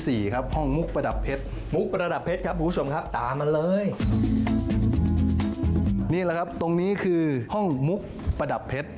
นี่แหละครับตรงนี้คือห้องมุกประดับเพชร